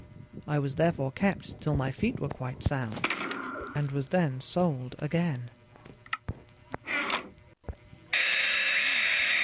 I was therefore kept till my feet were quite sound, and was then sold again.